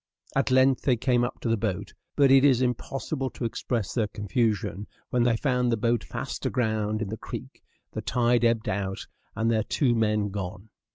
At length they came up to the boat; but it is impossible to express their confusion when they found the boat fast aground in the creek, the tide ebbed out, and their two men gone.